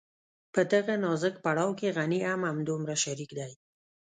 په دغه نازک پړاو کې غني هم همدومره شريک دی.